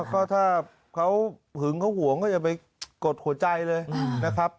ก็ถ้าเขาหึงเขาห่วงก็จะไปกดหัวใจเลยนะครับ